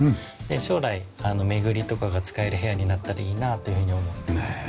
将来巡とかが使える部屋になったらいいなあというふうに思ってます。